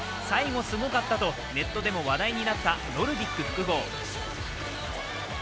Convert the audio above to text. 最後すごかったとネットでも話題になったノルディック複合。